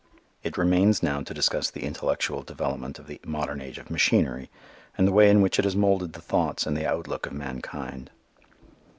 It remains now to discuss the intellectual development of the modern age of machinery and the way in which it has moulded the thoughts and the outlook of mankind.